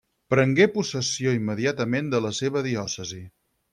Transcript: Prengué possessió immediatament de la seva diòcesi.